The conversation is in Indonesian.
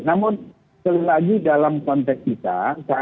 namun selagi dalam konteks kita